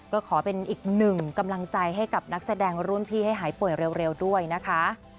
ก็ขอเป็นอีกหนึ่งกำลังใจให้กับนักแสดงรุ่นพี่ให้หายป่วยเร็วด้วยนะคะ